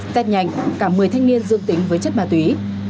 tết nhanh cả một mươi thanh niên dựng tính với chất ma túy